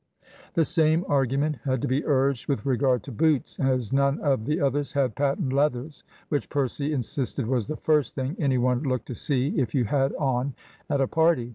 The same argument had to be urged with regard to boots, as none of the others had patent leathers, which Percy insisted was the first thing any one looked to see if you had on at a party.